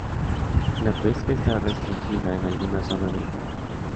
La pesca está restringida en algunas zonas del parque.